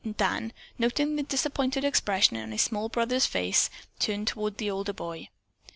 Dan, noting the disappointed expression on his small brother's face, turned toward the older boy.